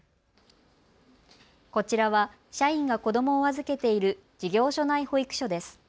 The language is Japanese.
こちらは社員が子どもを預けている事業所内保育所です。